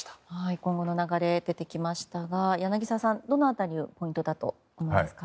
今後の流れが出てきましたが柳澤さん、どの辺りがポイントだと思いますか？